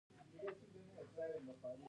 لمریز ځواک د افغانستان د جغرافیې بېلګه ده.